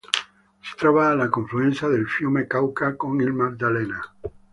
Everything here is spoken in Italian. Si trova alla confluenza del fiume Cauca con il Magdalena.